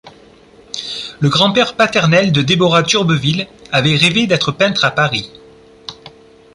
Le grand-père paternel de Deborah Turbeville avait rêvé d'être peintre à Paris.